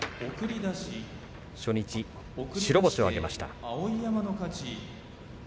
初日、白星を挙げました。